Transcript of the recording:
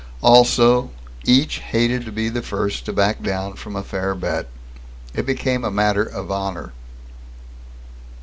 Also, each hated to be the first to back down from a fair bet. It became a matter of honor.